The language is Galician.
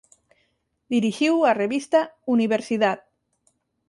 Dirixiu a revista "Universidad".